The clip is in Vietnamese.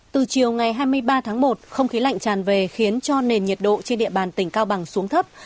từ chiều ngày hai mươi ba tháng một không khí lạnh tràn về khiến cho nền nhiệt độ trên địa bàn tỉnh cao bằng xuống thấp